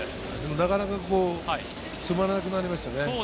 なかなか詰まらなくなりましたね。